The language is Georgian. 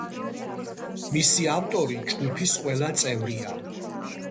მისი ავტორი ჯგუფის ყველა წევრია.